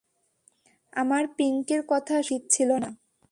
আমার পিঙ্কির কথা শুনা উচিত ছিল না।